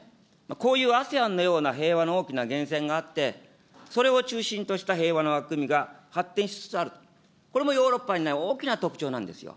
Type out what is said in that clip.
こういうＡＳＥＡＮのような平和の大きな源泉があって、それを中心とした平和の枠組みが発展しつつあると、これもヨーロッパにない大きな特徴なんですよ。